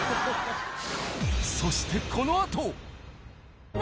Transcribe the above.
そしてこのあと。